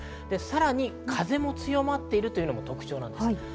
さらに風も強まっているというのも特徴です。